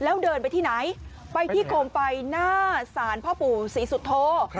แล้วเดินไปที่ไหนไปที่โคมไฟหน้าศาลพ่อปู่ศรีสุโธ